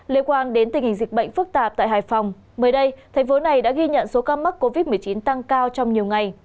liên quan đến tình hình dịch bệnh phức tạp tại hải phòng mới đây thành phố này đã ghi nhận số ca mắc covid một mươi chín tăng cao trong nhiều ngày